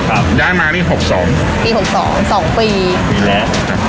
เอ้าย้ายมานี่หกสองปีหกสองสองปีปีแรก